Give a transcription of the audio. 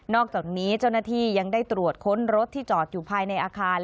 อกจากนี้เจ้าหน้าที่ยังได้ตรวจค้นรถที่จอดอยู่ภายในอาคาร